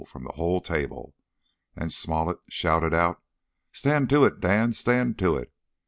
from the whole table; and Smollett shouted out, "Stand to it, Dan stand to it!